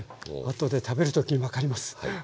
後で食べる時に分かります。